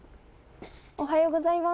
おはようございます。